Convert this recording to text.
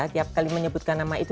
tiap kali menyebutkan nama itu